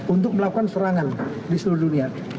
untuk melakukan serangan di seluruh dunia